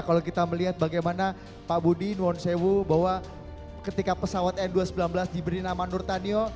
kalau kita melihat bagaimana pak budi nuansewu bahwa ketika pesawat n dua ratus sembilan belas diberi nama nurtanio